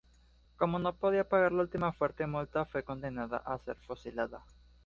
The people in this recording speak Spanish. Como no podía pagar la última fuerte multa, fue condenada a ser fusilada.